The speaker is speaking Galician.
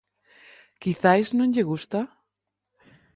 ¿Quizais non lle gusta?